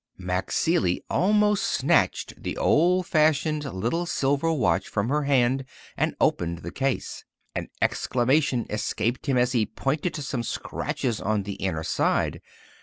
Max Seeley almost snatched the old fashioned little silver watch, from her hand and opened the case. An exclamation escaped him as he pointed to some scratches on the inner side.